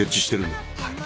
はい。